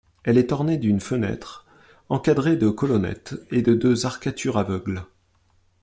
Elle est ornée d'une fenêtre encadrée de colonnettes et de deux arcatures aveugles.